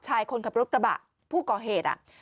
ชายคนขับรถกระบะผู้ก่อเหตุ